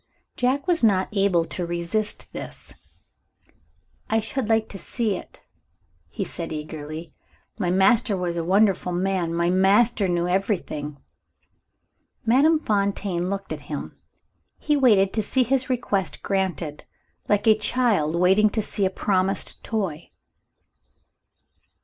Jack was not able to resist this. "I should like to see it!" he said eagerly. "My master was a wonderful man my master knew everything." Madame Fontaine looked at him. He waited to see his request granted, like a child waiting to see a promised toy.